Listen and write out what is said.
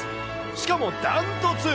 しかも断トツ。